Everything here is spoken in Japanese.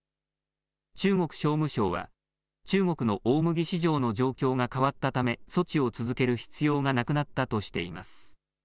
中国商務省は、中国の大麦市場の状況が変わったため、措置を続ける必要がなくなったとしています。